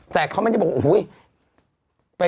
แต่เขาไม่ได้บอกว่า